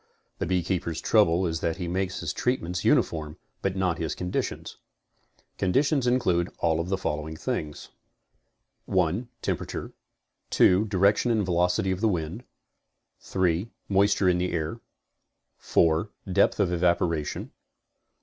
The beekeepers' trou ble is that he makes his treatments uniform but not his condi tions. Conditions include all of the following things: 1. Temperature. 2. Direction and velocity of the wind. & CONSTRUCTIVE BEEKEBDPING 8. Moisture in the air. 4. Depth of evaporation.